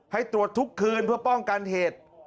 ให้ตรวจทุกคืนเพื่อป้องกันเหตุ